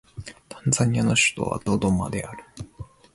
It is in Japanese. タンザニアの首都はドドマである